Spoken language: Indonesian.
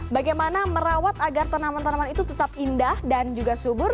bagaimana merawat agar tanaman tanaman itu tetap indah dan juga subur